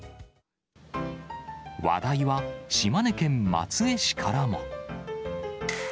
話題は島根県松江市からも。